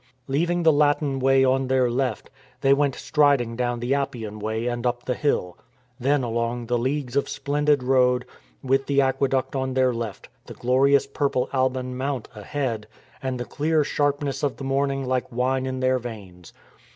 Leaving the Latin Way on their left, they went striding down the Appian Way and up the hill, then along the leagues of splendid road, "MIGHTIER THAN THE SWORD" 357 with the aqueduct on their left, the glorious purple Alban Mount ahead, and the clear sharpness of the morning like wine in their veins.